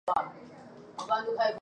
我一个人住在这